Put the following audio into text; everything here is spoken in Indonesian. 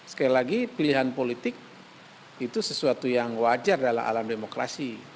sekali lagi pilihan politik itu sesuatu yang wajar dalam alam demokrasi